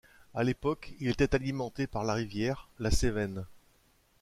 À l’époque, il était alimenté par la rivière, la Sévenne.